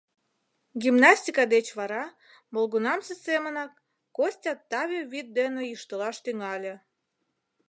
Гимнастика деч вара, молыгунамсе семынак, Костя таве вӱд дене йӱштылаш тӱҥале.